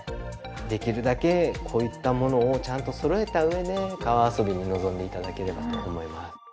できるだけこういったものをちゃんとそろえた上で川遊びに臨んで頂ければと思います。